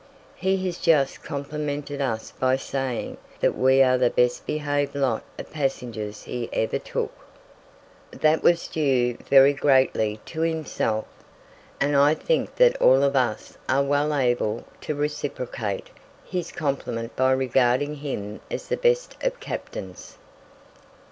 He has just complimented us by saying that we are the best behaved lot of passengers he ever took. That was due very greatly to himself; and I think that all of us are well able to reciprocate his compliment by regarding him as the best of captains.